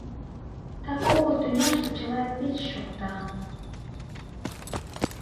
Так огыл тӱняште чыла веч шокта